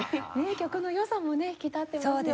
曲の良さもね引き立ってますよね。